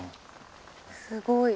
すごい。